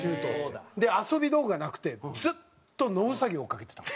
遊び道具がなくてずっと野ウサギを追っかけてたの。